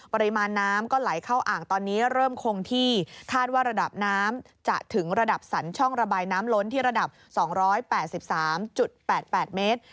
ปริมาณน้ำก็ไหลเข้าอ่างตอนนี้เริ่มคงที่คาดว่าระดับน้ำจะถึงระดับสรรช่องระบายน้ำล้นที่ระดับ๒๘๓๘๘เมตร